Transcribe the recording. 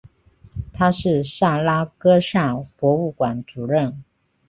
他是萨拉戈萨博物馆主任。